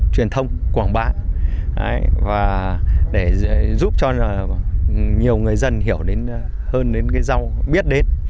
truyền thông quảng bá và để giúp cho nhiều người dân hiểu hơn đến cái rau biết đến